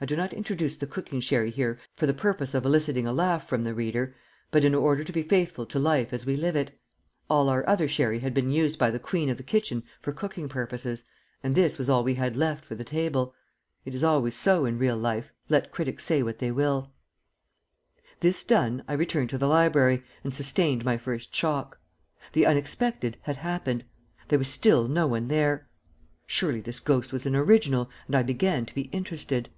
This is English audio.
I do not introduce the cooking sherry here for the purpose of eliciting a laugh from the reader, but in order to be faithful to life as we live it. All our other sherry had been used by the queen of the kitchen for cooking purposes, and this was all we had left for the table. It is always so in real life, let critics say what they will. [Illustration: "THERE WAS NO ONE THERE"] This done, I returned to the library, and sustained my first shock. The unexpected had happened. There was still no one there. Surely this ghost was an original, and I began to be interested.